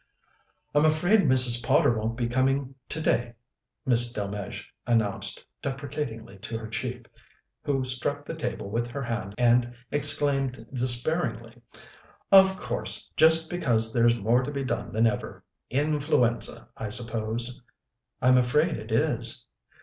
"I'm afraid Mrs. Potter won't be coming today," Miss Delmege announced deprecatingly to her chief, who struck the table with her hand and exclaimed despairingly: "Of course! just because there's more to be done than ever! Influenza, I suppose?" "I'm afraid it is."